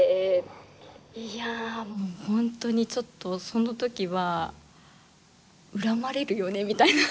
いやあもう本当にちょっとその時は恨まれるよねみたいな。